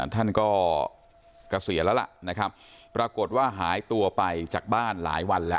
ท่านก็เกษียณแล้วล่ะนะครับปรากฏว่าหายตัวไปจากบ้านหลายวันแล้ว